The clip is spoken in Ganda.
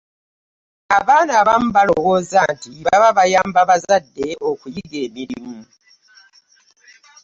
Abaana abamu balowooza nti baba bayamba bazadde okuyiga emirimu.